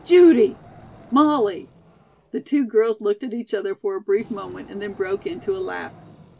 "Judy!" "Molly!" The two girls looked at each other for a brief moment and then broke into a laugh.